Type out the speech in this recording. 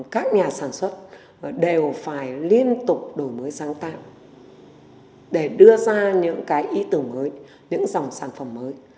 các nhà sản xuất đều phải liên tục đổi mới sáng tạo để đưa ra những cái ý tưởng mới những dòng sản phẩm mới